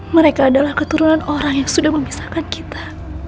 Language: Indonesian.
mereka adalah keturunan orang yang sudah memisahkan kita